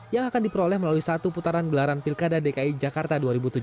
yang akan diperoleh melalui satu putaran gelaran pilkada dki jakarta dua ribu tujuh belas